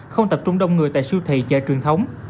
không tập trung đông người tại siêu thị chợ truyền thống